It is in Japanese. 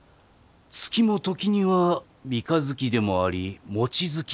月も時には三日月でもあり望月にもなる。